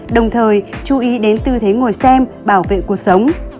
đồng thời chú ý đến tư thế ngồi xem bảo vệ cuộc sống